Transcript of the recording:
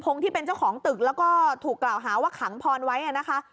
ที่เป็นเจ้าของตึกแล้วก็ถูกกล่าวหาว่าขังพรไว้นะคะ